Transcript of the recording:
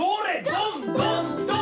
ドンドンドン！